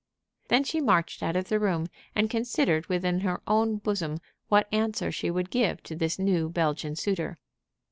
Then she marched out of the room, and considered within her own bosom what answer she would give to this new Belgian suitor.